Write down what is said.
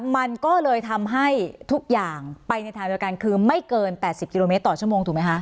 มันก็เลยทำให้ทุกอย่างไปในทางเดียวกันคือไม่เกิน๘๐กิโลเมตรต่อชั่วโมงถูกไหมคะ